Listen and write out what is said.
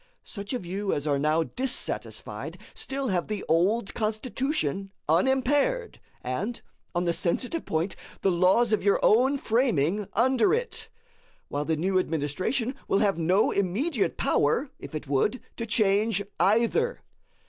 Such of you as are now dissatisfied, still have the old Constitution unimpaired, and, on the sensitive point, the laws of your own framing under it; while the new administration will have no immediate power, if it would, to change either.